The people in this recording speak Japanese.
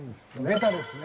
ベタですね。